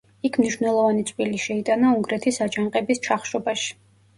იქ მნიშვნელოვანი წვლილი შეიტანა უნგრეთის აჯანყების ჩახშობაში.